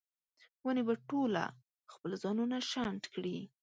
ونې به ټوله خپل ځانونه شنډ کړي